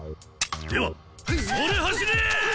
ではそれ走れ！